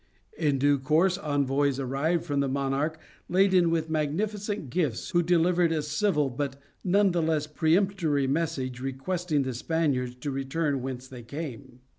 In due course envoys arrived from the monarch laden with magnificent gifts, who delivered a civil but none the less peremptory message requesting the Spaniards to return whence they came.